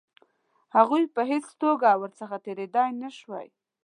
هغوی په هېڅ توګه ورڅخه تېرېدلای نه شوای.